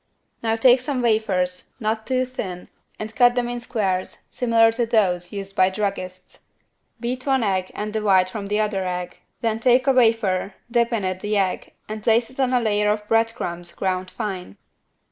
Now take some wafers, not too thin and cut them in squares similar to those used by druggists. Beat one egg and the white from the other egg, then take a wafer, dip it in the egg and place it on a layer of bread crumbs ground fine.